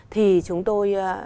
thì chúng tôi